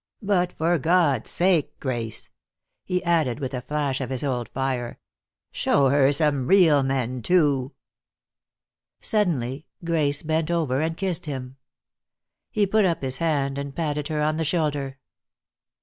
But for God's sake, Grace," he added, with a flash of his old fire, "show her some real men, too." Suddenly Grace bent over and kissed him. He put up his hand, and patted her on the shoulder.